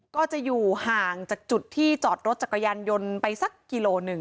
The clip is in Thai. ก็จะอยู่ห่างจากจุดที่จอดรถจักรยานยนต์ไปสักกิโลหนึ่ง